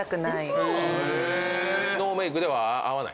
ノーメイクでは会わない？